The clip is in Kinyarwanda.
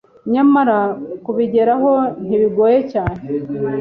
Nyamara kubigeraho ntibigoye cyane